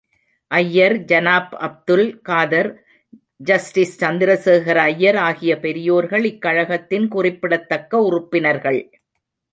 ஐயர், ஜனாப் அப்துல் காதர், ஜஸ்டிஸ் சந்திரசேகர ஐயர் ஆகிய பெரியார்கள், இக்கழகத்தின் குறிப்பிடத்தக்க உறுப்பினர்கள்.